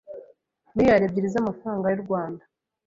miliyari ebyiri z’amafaranga y’u Rwanda.